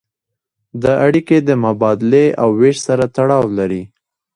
دا اړیکې د مبادلې او ویش سره تړاو لري.